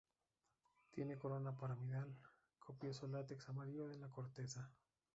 Tiene corona piramidal, copioso látex amarillo en la corteza.